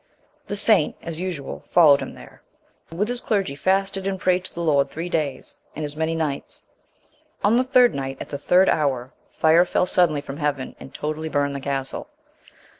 The saint, as usual, followed him there, and with his clergy fasted and prayed to the Lord three days, and as many nights. On the third night, at the third hour, fire fell suddenly from heaven, and totally burned the castle.